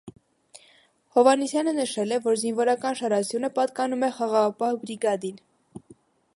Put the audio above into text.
Հովհաննիսյանը նշել է, որ զինվորական շարասյունը պատկանում է խաղաղապահ բրիգադին։